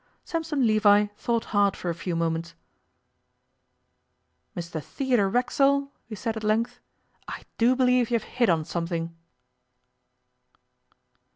Sampson Levi thought hard for a few moments. 'Mr Theodore Racksole,' he said at length, 'I do believe you have hit on something.